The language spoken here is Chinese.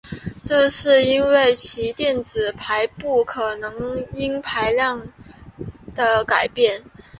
这是因为其电子排布可能因量子效应和相对论性效应而改变。